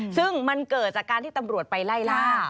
ซึ่งมันเกิดจากการที่ตำรวจไปไล่ล่า